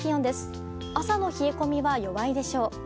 朝の冷え込みは弱いでしょう。